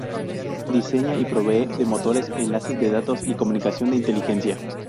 Diseña y provee de motores, enlaces de datos y comunicación de inteligencia.